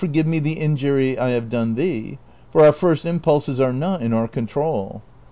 forgive me the injury I have done thee ; for our first impulses are not in our control."